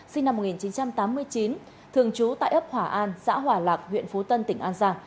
sinh năm một nghìn chín trăm tám mươi chín thường trú tại ấp hòa an xã hòa lạc huyện phú tân tỉnh an giang